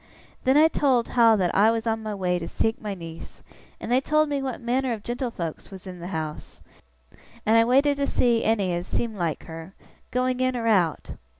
Then I told how that I was on my way to seek my niece, and they told me what manner of gentlefolks was in the house, and I waited to see any as seemed like her, going in or out.